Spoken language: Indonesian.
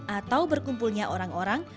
atau berkumpulnya orang orang